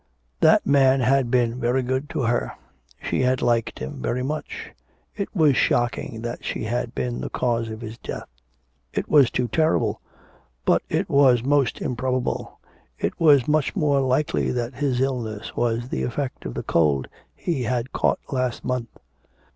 That man had been very good to her; she had liked him very much. It was shocking that she had been the cause of his death. It was too terrible. But it was most improbable, it was much more likely that his illness was the effect of the cold he had caught last month.